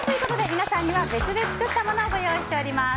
皆さんには別で作ったものをご用意しております。